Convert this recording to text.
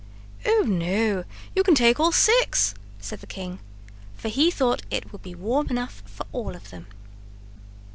"Oh, no, you can take all six," said the king, for he thought it would be warm enough for all of them.